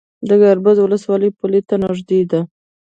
د ګربز ولسوالۍ پولې ته نږدې ده